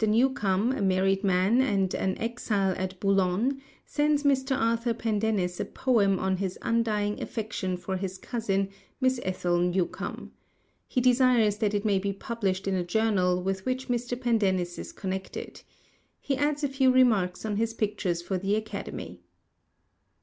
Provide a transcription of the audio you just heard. Newcome, a married man and an exile at Boulogne, sends Mr. Arthur Pendennis a poem on his undying affection for his cousin, Miss Ethel Newcome. He desires that it may be published in a journal with which Mr. Pendennis is connected. He adds a few remarks on his pictures for the Academy.